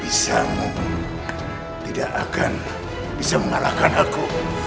bisamu tidak akan bisa memalahkan aku